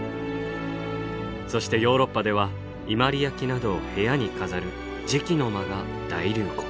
そしてヨーロッパでは伊万里焼などを部屋に飾る磁器の間が大流行。